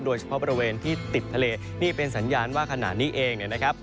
โดยเฉพาะบริเวณที่ติดทะเลนี่เป็นสัญญาณว่าขณะนี้เองเนี่ยนะครับ